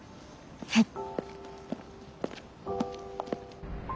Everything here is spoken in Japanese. はい。